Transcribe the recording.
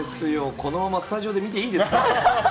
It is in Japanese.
このままスタジオで見ていいですか？